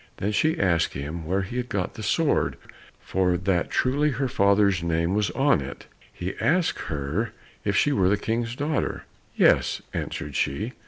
Then she asked him where he had got the sword, for that truly her father's name was on it. He asked her if she were the King's daughter. "Yes," answered she.